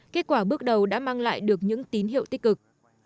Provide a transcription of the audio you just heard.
kết quả bước đầu đã mang lại được những tín hiệu tích cực